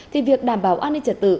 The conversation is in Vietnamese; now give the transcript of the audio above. thì việc đảm bảo an ninh trật tự